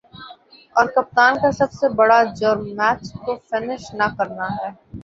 اور کپتان کا سب سے برا جرم" میچ کو فنش نہ کرنا ہے